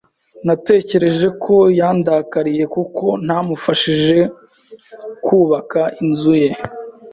Natekereje ko yandakariye kuko ntamufashije kubaka inzu ye.